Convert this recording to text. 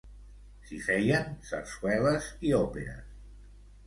S'hi feien sarsueles i òperes.